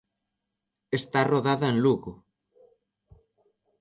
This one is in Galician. Está rodada en Lugo.